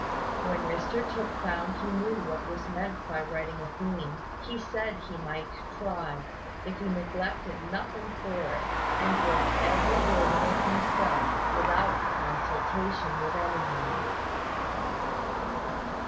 When Mr Tooke found he knew what was meant by writing a theme, he said he might try, if he neglected nothing for it, and wrote every word of it himself, without consultation with any one.